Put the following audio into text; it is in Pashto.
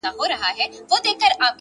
مهرباني د انسانیت خاموشه ژبه ده!.